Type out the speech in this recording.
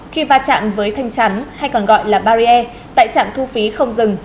khi va chạm với thanh chắn hay còn gọi là barrier tại trạm thu phí không dừng